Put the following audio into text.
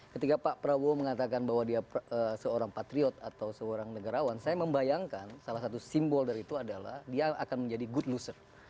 ketika pak prabowo mengatakan bahwa dia seorang patriot atau seorang negarawan saya membayangkan salah satu simbol dari itu adalah dia akan menjadi good loser